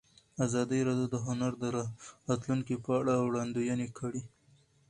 ازادي راډیو د هنر د راتلونکې په اړه وړاندوینې کړې.